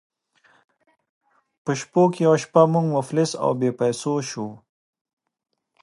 په شپو کې یوه شپه موږ مفلس او بې پیسو شوو.